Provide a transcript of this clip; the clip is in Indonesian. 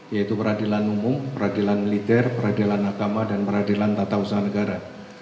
yaitu peradilan umum peradilan militer peradilan agama dan peradilan tata usaha negara